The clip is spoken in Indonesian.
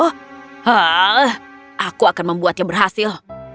hah aku akan membuatnya berhasil